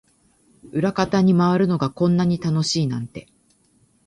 裏方に回るのがこんなに楽しいなんて